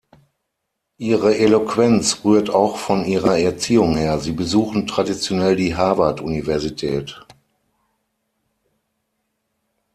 Ihre Eloquenz rührt auch von ihrer Erziehung her; sie besuchen traditionell die Harvard-Universität.